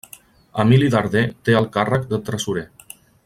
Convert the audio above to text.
Emili Darder té el càrrec de Tresorer.